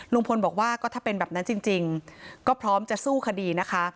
ลุงพลบอกว่าก็ถ้าเป็นแบบนั้นจริงก็พร้อมจะสู้คดีนะคะ